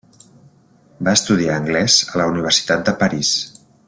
Va estudiar anglès a la Universitat de París.